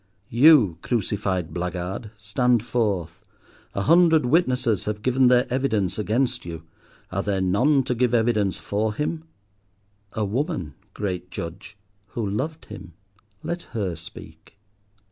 You, crucified blackguard, stand forth. A hundred witnesses have given their evidence against you. Are there none to give evidence for him? A woman, great Judge, who loved him. Let her speak.